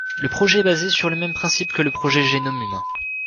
Le projet est basé sur le même principe que le Projet génome humain.